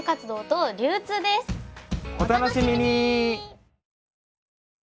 お楽しみに！